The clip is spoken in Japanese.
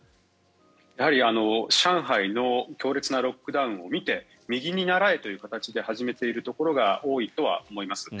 やはり上海の強烈なロックダウンを見て右に倣えということで始めているところは多いと思います。